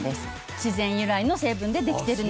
自然由来の成分でできてるので。